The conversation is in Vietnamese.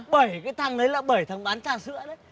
bảy cái thằng ấy là bảy thằng bán trà sữa đấy